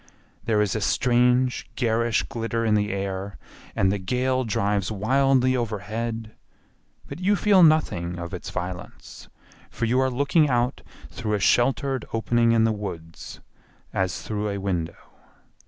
There is a strange garish glitter in the air and the gale drives wildly overhead, but you feel nothing of its violence, for you are looking out through a sheltered opening in the woods, as through a window.